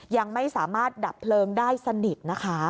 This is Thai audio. ยังไม่สามารถดับเพลิงได้สนิทนะคะ